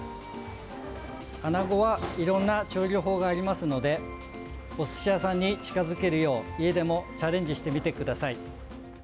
アナゴはいろんな調理法がありますのでお寿司屋さんに近づけるよう家でもチャレンジしてみてください。